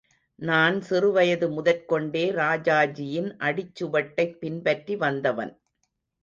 நான் சிறுவயது முதற்கொண்டே ராஜாஜியின் அடிச்சுவட்டைப் பின்பற்றி வந்தவன்.